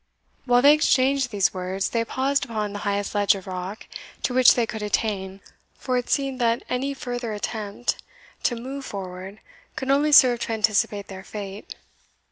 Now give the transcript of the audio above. While they exchanged these words, they paused upon the highest ledge of rock to which they could attain; for it seemed that any further attempt to move forward could only serve to anticipate their fate.